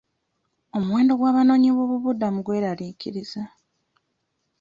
Omuwendo gw'abanoonyiboobubudamu gweraliikiriza.